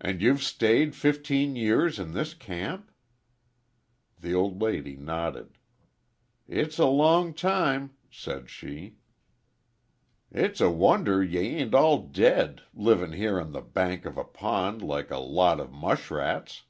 "An' you've stayed fifteen years in this camp?" The old lady nodded. "It's a long time," said she. "It's a wonder ye ain't all dead livin' here on the bank of a pond like a lot o' mushrats!"